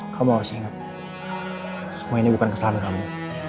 kamu harus ingat semua ini bukan kesahan kamu